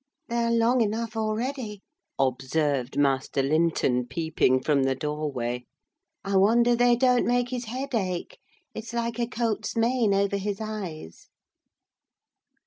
"They are long enough already," observed Master Linton, peeping from the doorway; "I wonder they don't make his head ache. It's like a colt's mane over his eyes!"